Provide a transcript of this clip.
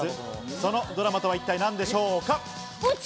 そのドラマとは一体何でしょうか？